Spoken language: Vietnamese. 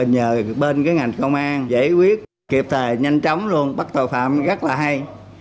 nhờ bên ngành công an giải quyết kiệp thề nhanh chóng luôn bắt tội phạm rất là hay